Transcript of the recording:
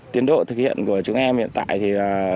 tiến độ thực hiện của chúng em hiện tại